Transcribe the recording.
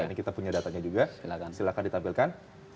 ini kita punya datanya juga silahkan ditampilkan